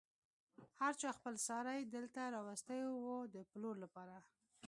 هر چا خپل څاری دلته راوستی و د پلور لپاره.